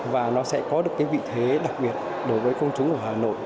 và nó sẽ có được cái vị thế đặc biệt đối với công chúng ở hà nội